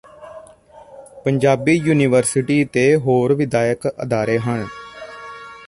Punjabi university ਤੇ ਹੋਰ ਵਿਦਿਅਕ ਅਦਾਰੇ ਹਨ